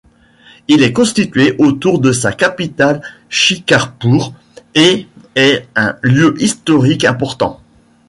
Il est constitué autour de sa capitale Shikarpur et est un lieu historique important.